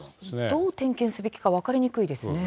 どう点検すべきか分かりにくいですね。